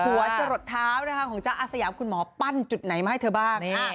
หัวจะหลดเท้านะคะของจ๊ะอาสยามคุณหมอปั้นจุดไหนมาให้เธอบ้าง